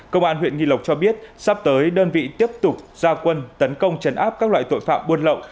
công an huyện nghi lộc cho biết sắp tới đơn vị tiếp tục ra quân tấn công trấn áp các loại tội phạm buồn lậu